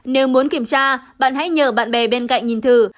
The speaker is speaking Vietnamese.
nếu muốn kiểm tra bạn hãy nhờ bạn bè bên cạnh nhìn thử